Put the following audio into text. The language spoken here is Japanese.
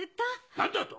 何だと？